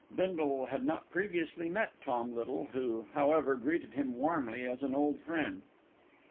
Bindle had not previously met Tom Little, who, however, greeted him warmly as an old friend.